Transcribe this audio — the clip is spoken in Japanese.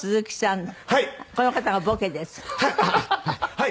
はい。